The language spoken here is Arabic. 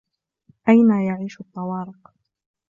أين يعيش الطوارق؟